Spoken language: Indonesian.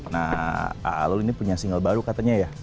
nah alun ini punya single baru katanya ya